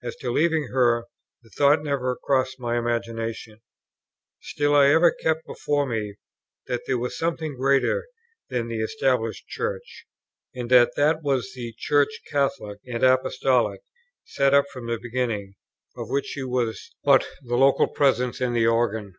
As to leaving her, the thought never crossed my imagination; still I ever kept before me that there was something greater than the Established Church, and that that was the Church Catholic and Apostolic, set up from the beginning, of which she was but the local presence and the organ.